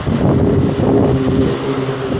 পিপ এবং আমি এখানে সাহায্য করতে এসেছি, তাই না?